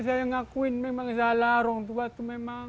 saya ngakuin memang salah orang tua itu memang